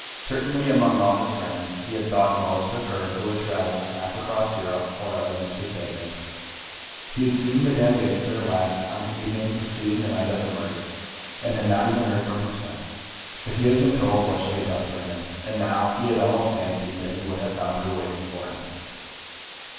Certainly among all his friends he had thought most of her who had travelled half across Europe for evidence to save him. He had seen Madame Goesler last on the evening preceding the night of the murder, and had not even heard from her since. But he had been told what she had done for him, and now he had almost fancied that he would have found her waiting for him.